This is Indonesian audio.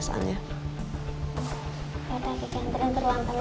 waktunya udah mati theories